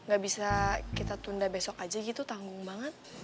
gak bisa kita tunda besok aja gitu tanggung banget